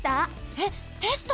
えっ！テスト！？